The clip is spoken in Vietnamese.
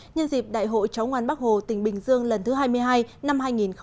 nhân dịp đại hội cháu ngoan bắc hồ tỉnh bình dương lần thứ hai mươi hai năm hai nghìn hai mươi